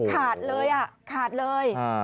ขาดเลยขาดเลย